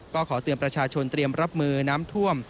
ก็ขอเตือนประชาชนเตรียมรับมือน้ำท่วม